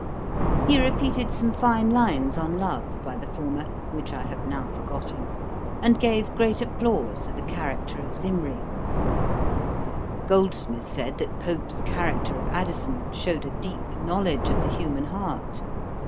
He repeated some fine lines on love, by the former, (which I have now forgotten,) and gave great applause to the character of Zimri. Goldsmith said, that Pope's character of Addison shewed a deep knowledge of the human heart.